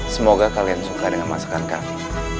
semoga kalian suka dengan masakan kami